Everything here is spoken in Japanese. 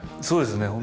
そうですね